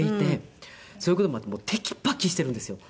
そういう事もあってテキパキしているんですよ。